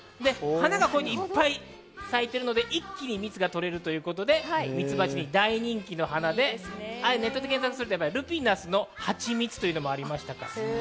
花がいっぱい咲いているので一気に蜜がとれるということでミツバチに大人気の花で、ネットで検索すると、ルピナスの蜂蜜というのもありました。